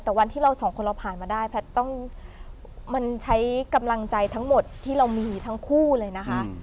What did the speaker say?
แต่วันที่เราสองคนเราผ่านมาได้แพทย์ต้องมันใช้กำลังใจทั้งหมดที่เรามีทั้งคู่เลยนะคะ